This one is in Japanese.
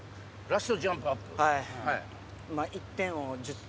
はい。